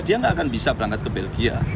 dia nggak akan bisa berangkat ke belgia